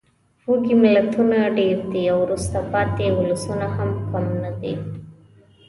وږې ملتونه ډېر دي او وروسته پاتې ولسونه هم کم نه دي.